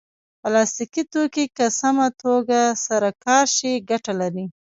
پلاستيکي توکي که سمه توګه سره کار شي ګټه لري.